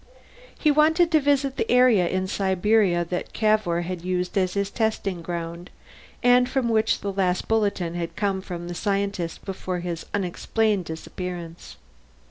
He wanted to visit the area in Siberia that Cavour had used as his testing ground, and from which the last bulletin had come from the scientist before his unexplained disappearance.